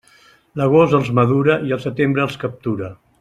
L'agost els madura i el setembre els captura.